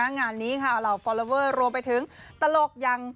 งานนี้เราฟอร์ลอเวอร์โรงไปถึงตลกอย่าง